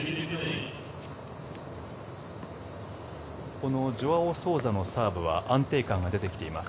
このジョアオ・ソウザのサーブは安定感が出てきています。